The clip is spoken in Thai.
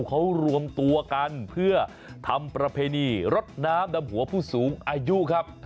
เขารวมตัวกันเพื่อทำประเพณีรดน้ำดำหัวผู้สูงอายุครับ